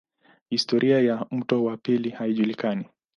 Historia ya mto wa pili haijulikani.